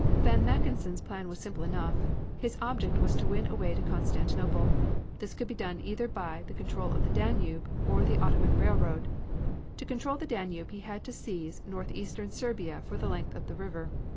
Von Mackensen's plan was simple enough. His object was to win a way to Constantinople. This could be done either by the control of the Danube or the Ottoman Railroad. To control the Danube he had to seize northeastern Serbia for the length of the river.